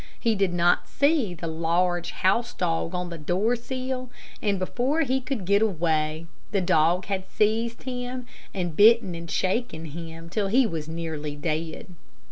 He did not see the large house dog on the door sill, and before he could get away, the dog had seized him, and bitten and shaken him till he was nearly dead.